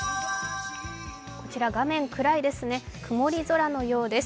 画面暗いですね、曇り空のようです。